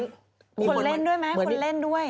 คนเล่นด้วยไหมคนเล่นด้วย